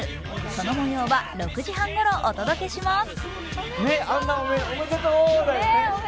そのもようは６時半ごろお届けします。